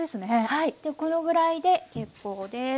はいこのぐらいで結構です。